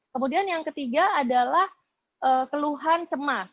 kemudian yang ketiga adalah keluhan cemas